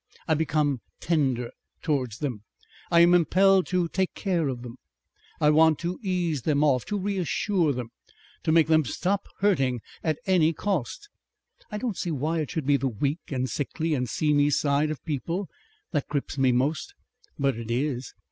I become tender towards them. I am impelled to take care of them. I want to ease them off, to reassure them, to make them stop hurting at any cost. I don't see why it should be the weak and sickly and seamy side of people that grips me most, but it is.